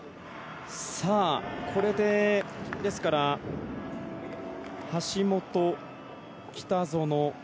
これで、ですから橋本、北園